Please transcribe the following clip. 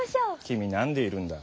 君何でいるんだ。